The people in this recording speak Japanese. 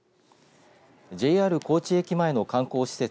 ＪＲ高知駅前の観光施設